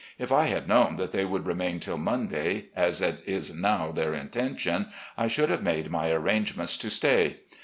If I had known that they would remain till Monday, as it is now their intention, I should have made my arrangements to stay.